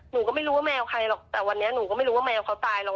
หนูก็ไม่รู้ว่าแมวใครหรอกแต่วันนี้หนูก็ไม่รู้ว่าแมวเขาตายหรอก